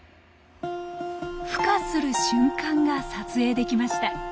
ふ化する瞬間が撮影できました。